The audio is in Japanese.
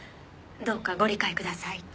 どうかご理解ください。